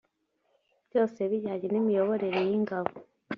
byose bijyanye n imiyoborere y ingabo